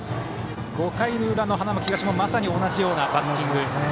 ５回の裏、花巻東もまさに同じようなバッティング。